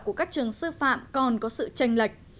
của các trường sư phạm còn có sự tranh lệch